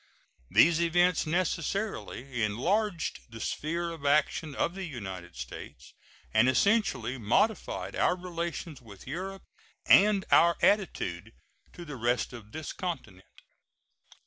These events necessarily enlarged the sphere of action of the United States, and essentially modified our relations with Europe and our attitude to the rest of this continent.